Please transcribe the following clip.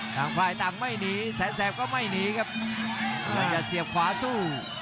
ต่างฝ่ายต่างไม่หนีแสนแสบก็ไม่หนีครับพยายามจะเสียบขวาสู้